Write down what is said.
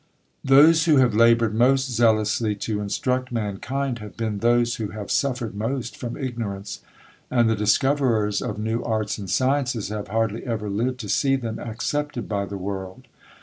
Those who have laboured most zealously to instruct mankind have been those who have suffered most from ignorance; and the discoverers of new arts and sciences have hardly ever lived to see them accepted by the world.